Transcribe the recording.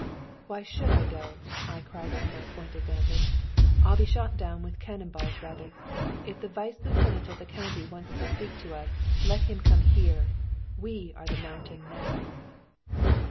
"Why should I go?" cried I from my point of vantage. "I'll be shot down with cannon balls rather! If the Vice Lieutenant of the County wants to speak to us, let him come here. We are the 'mountain' now."